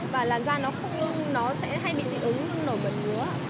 và làn da nó sẽ hay bị dị ứng nổi bật ngứa